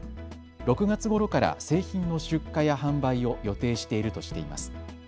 ６月ごろから製品の出荷や販売を予定しているとしています。